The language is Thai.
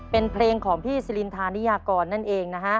เป็นเพลงของพี่ซิลินทานิยากรนั่นเองนะฮะ